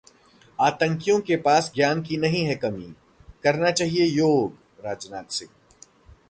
आतंकियों के पास ज्ञान की नहीं है कमी, करना चाहिए योग: राजनाथ सिंह